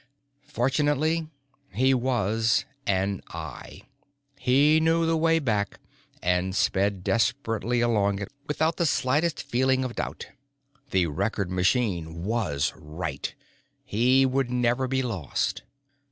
Fortunately, he was an Eye. He knew the way back and sped desperately along it without the slightest feeling of doubt. The Record Machine was right: he would never be lost.